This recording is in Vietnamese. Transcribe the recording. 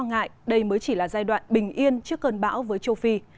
những người y tế lo ngại đây mới chỉ là giai đoạn bình yên trước cơn bão với châu phi